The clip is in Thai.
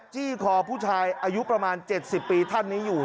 จี้คอผู้ชายอายุประมาณ๗๐ปีท่านนี้อยู่